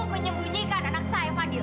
menyembunyikan anak saya fadil